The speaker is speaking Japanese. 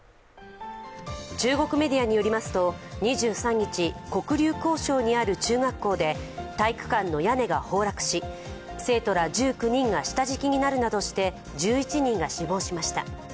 中国メディアによりますと、２３日黒竜江省にある中学校で体育館の屋根が崩落し生徒ら１９人が下敷きになるなどして１１人が死亡しました。